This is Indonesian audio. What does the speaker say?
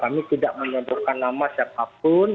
kami tidak menyodorkan nama siapapun